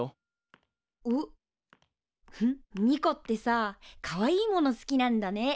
ニコってさかわいいもの好きなんだね。